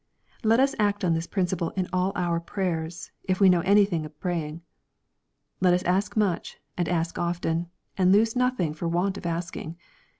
Let us act on this principle in all our prayers, if we know anything of praying. Let us ask much, and ask often, and lose nothing for want of asking.